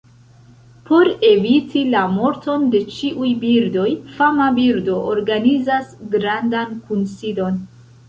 Por eviti la morton de ĉiuj birdoj, fama birdo organizas grandan kunsidon.